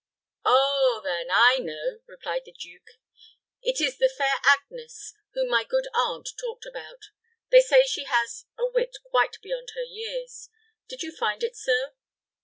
"Oh, then, I know," replied the duke. "It is the fair Agnes, whom my good aunt talked about. They say she has a wit quite beyond her years. Did you find it so?"